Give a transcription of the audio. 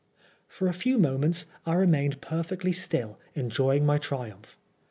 For a few mom^nt» 1 nnu^uusl perfectly still enjoying my trinmph.